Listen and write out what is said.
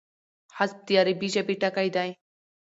حذف د عربي ژبي ټکی دﺉ.